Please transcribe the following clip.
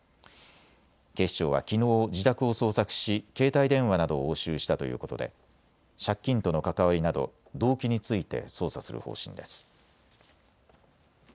警視庁はきのう、自宅を捜索し携帯電話などを押収したということで借金との関わりなど動機について捜査する方針です。